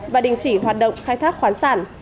và đình chỉ hoạt động khai thác khoán sản